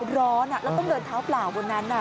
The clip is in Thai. ร้อนแล้วต้องเดินเท้าเปล่าบนนั้น